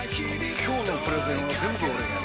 今日のプレゼンは全部俺がやる！